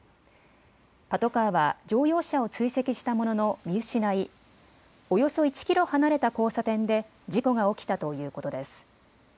パトカーは乗用車を追跡したものの見失い、およそ１キロ離れた交差点で事故が起きたということです。